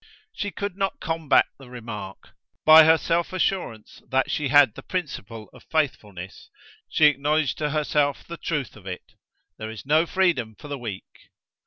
She could not combat the remark: by her self assurance that she had the principle of faithfulness, she acknowledged to herself the truth of it: there is no freedom for the weak.